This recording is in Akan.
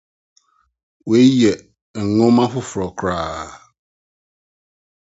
Eyi yɛ nhoma foforo koraa.